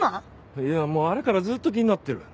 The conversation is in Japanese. いやもうあれからずっと気になってる。